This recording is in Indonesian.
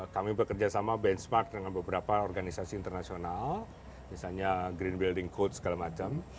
kami bekerja sama benchmark dengan beberapa organisasi internasional misalnya green building code segala macam